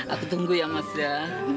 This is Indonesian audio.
aku tunggu ya mas ya